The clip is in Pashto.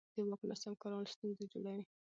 د واک ناسم کارول ستونزې جوړوي